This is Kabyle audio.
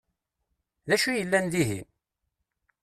D acu i yellan dihin?